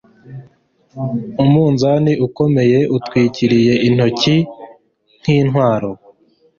umunzani ukomeye utwikiriye intoki nkintwaro